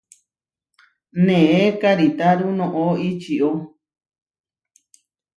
Neé karitáru noʼó ičió.